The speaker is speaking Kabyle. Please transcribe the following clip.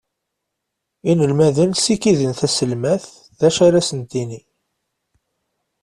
Inelmaden sikiden taselmadt d acu ara sen-d-tini.